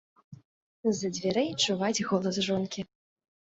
З-за дзвярэй чуваць голас жонкі.